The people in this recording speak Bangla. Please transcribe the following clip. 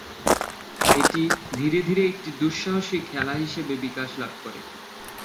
এটি ধীরে ধীরে একটি দুঃসাহসিক খেলা হিসেবে বিকাশ লাভ করে।